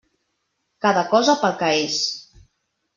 Cada cosa pel que és.